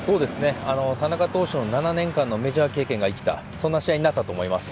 田中投手の７年間のメジャー経験が生きたそんな試合になったと思います。